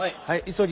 はい。